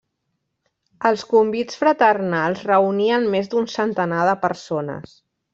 Els convits fraternals reunien més d'un centenar de persones.